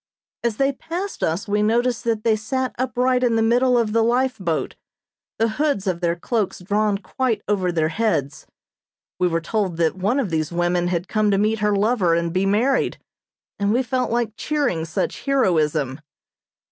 As they passed us we noticed that they sat upright in the middle of the lifeboat, the hoods of their cloaks drawn quite over their heads. We were told that one of these women had come to meet her lover and be married, and we felt like cheering such heroism.